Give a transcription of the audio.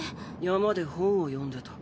山で本を読んでた。